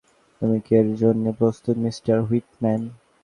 তুমি কি এর জন্যে প্রস্তুত, মিস্টার হুইটম্যান?